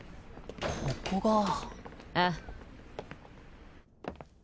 ここがああ